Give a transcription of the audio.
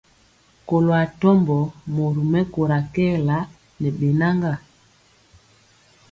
Kɔlo atɔmbɔ mori mɛkóra kɛɛla ne bɛnaga.